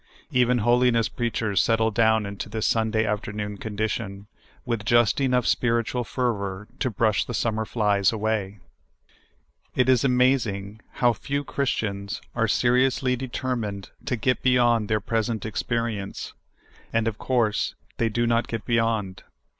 Even holiness preachers settle down into this Sunda}' afternoon condition, with just enough spirit ual fervor to brush the summer flies away. It is amazing how few Christians are seriously de termined to get bej^ond their present experience ; and of course the}^ do not get beyond.